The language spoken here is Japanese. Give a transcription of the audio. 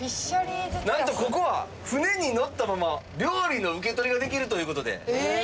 なんとここは船に乗ったまま料理の受け取りができるという事で。